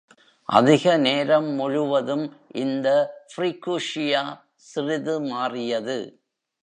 அதிக நேரம் முழுவதும், இந்த ஃப்ரிகூசியா சிறிது மாறியது.